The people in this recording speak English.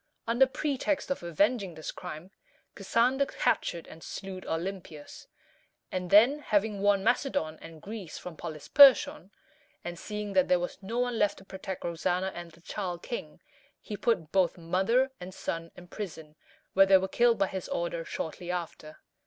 Under pretext of avenging this crime, Cassander captured and slew Olympias; and then, having won Macedon and Greece from Polysperchon, and seeing that there was no one left to protect Roxana and the child king, he put both mother and son in prison, where they were killed by his order shortly after.